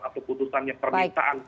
atau putusannya permintaan